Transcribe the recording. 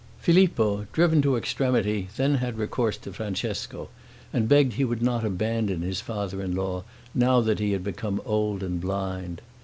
Filippo, driven to extremity, then had recourse to Francesco, and begged he would not abandon his father in law, now that he had become old and blind.